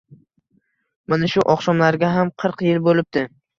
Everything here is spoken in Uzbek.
Mana shu oqshomlarga ham qirq yil bo’libdi…